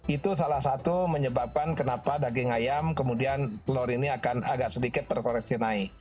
itu salah satu menyebabkan kenapa daging ayam kemudian telur ini akan agak sedikit terkoreksi naik